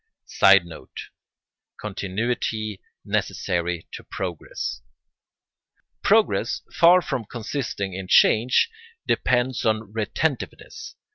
[Sidenote: Continuity necessary to progress.] Progress, far from consisting in change, depends on retentiveness.